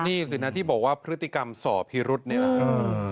นี่สินะที่บอกว่าพฤติกรรมสอบพิรุษนี่แหละครับ